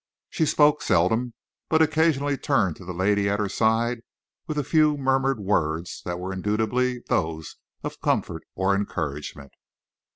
She spoke seldom, but occasionally turned to the lady at her side with a few murmured words that were indubitably those of comfort or encouragement.